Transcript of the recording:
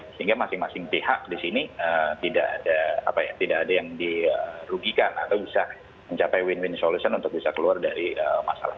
sehingga masing masing pihak di sini tidak ada yang dirugikan atau bisa mencapai win win solution untuk bisa keluar dari masalah ini